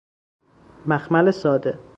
مخمل ساده